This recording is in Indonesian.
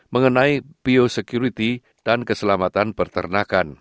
mengenai biosekurity dan keselamatan berternakan